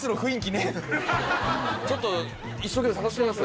ちょっと一生懸命探してみます。